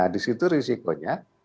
di situ risikonya